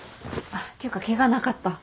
ていうかケガなかった？